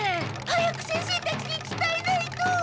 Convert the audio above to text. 早く先生たちにつたえないと！